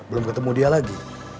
belum ketemu dia lagi